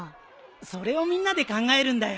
それをみんなで考えるんだよ。